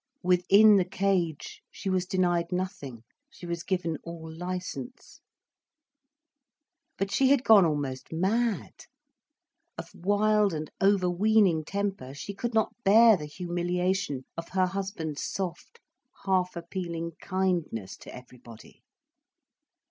Within the cage, she was denied nothing, she was given all licence. But she had gone almost mad. Of wild and overweening temper, she could not bear the humiliation of her husband's soft, half appealing kindness to everybody.